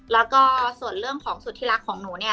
แล้วก็ส่วนเรื่องของสุดที่รักของหนูเนี่ย